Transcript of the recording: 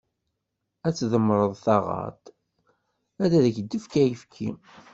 Ar tdemmreḍ taɣaṭ, ar ad d-tefk ayefki.